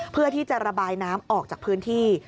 เพื่อที่จะระบายน้ำออกจากพื้นที่